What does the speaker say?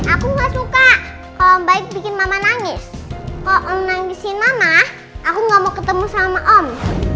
aku nggak suka kalau baik bikin mama nangis kok om nangisin mama aku nggak mau ketemu sama om